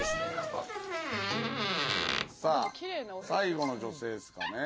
さあ最後の女性ですかね。